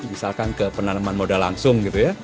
misalkan ke penanaman modal langsung